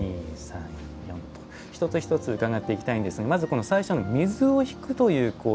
一つ一つ伺っていきたいんですがまずこの最初の水を引くという工程。